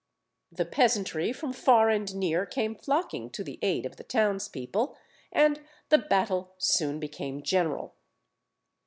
The peasantry from far and near came flocking to the aid of the townspeople, and the battle soon became general.